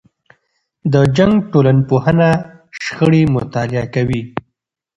د جنګ ټولنپوهنه شخړې مطالعه کوي.